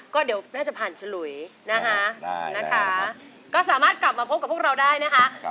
ก็เดี๋ยวน่าจะผ่านฉลุยนะคะก็สามารถกลับมาพบกับพวกเราได้นะคะ